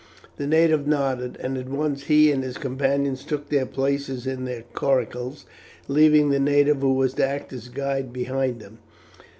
The native nodded, and at once he and his companions took their places in their coracles, leaving the native who was to act as guide behind them.